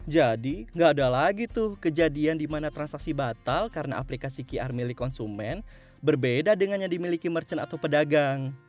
nggak ada lagi tuh kejadian di mana transaksi batal karena aplikasi qr milik konsumen berbeda dengan yang dimiliki merchant atau pedagang